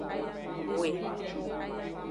Hwe.